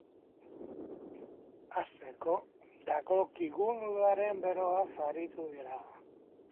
Hasteko, datorkigun udazken beroaz aritu dira.